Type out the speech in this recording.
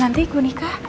nanti aku nikah